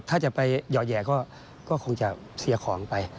ถ้าจะไปย่อแห่ก็คงจะเสียของไป